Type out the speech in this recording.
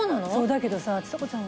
だけどさちさ子ちゃん